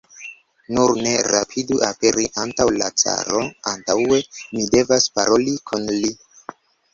Nur ne rapidu aperi antaŭ la caro, antaŭe mi devas paroli kun li.